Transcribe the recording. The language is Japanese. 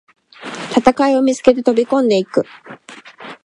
戦いを見つけて飛びこんでいく